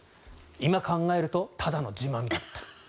今考えると、ただの自慢だった。